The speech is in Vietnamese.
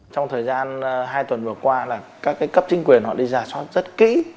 trong thời gian hai tuần vừa qua là các cái cấp chính quyền họ đi giả soát rất kỹ